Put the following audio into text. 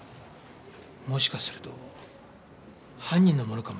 もしかすると犯人のものかもしれない。